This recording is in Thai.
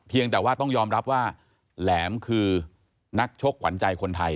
แต่ว่าต้องยอมรับว่าแหลมคือนักชกขวัญใจคนไทย